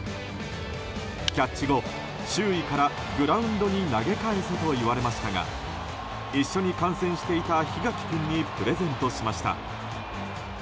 キャッチ後、周囲からグラウンドに投げ返せと言われましたが一緒に観戦していた檜垣君にプレゼントしました。